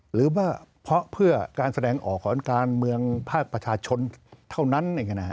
หรือว่าเพราะเพื่อการแสดงออกของการเมืองภาคประชาชนเท่านั้น